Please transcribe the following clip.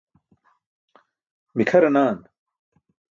mikʰaranaan